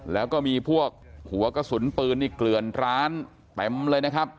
แล้วก็มีพวกหัวกระสุนปืนนี่เกลือนร้านเต็มเลยนะครับ